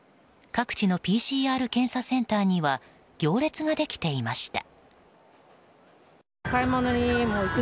各地のＰＣＲ検査センターには行列ができていました。